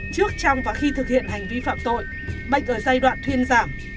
trước trong và khi thực hiện hành vi phạm tội bệnh ở giai đoạn thuyên giảm